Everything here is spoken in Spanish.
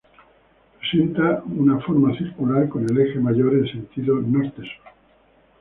Presenta una forma circular con el eje mayor en sentido norte-sur.